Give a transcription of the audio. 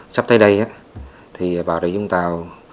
sắp tới đây thì bà địa vũng tàu